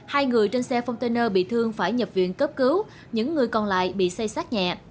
hai người trên xe container bị thương phải nhập viện cấp cứu những người còn lại bị xây sát nhẹ